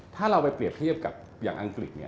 ถ้าเราไปเปรียบเทียบกับอย่างอังกฤษ